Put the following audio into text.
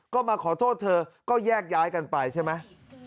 ก็มาขอโทษเธอก็แยกย้ายกันไปใช่ไหม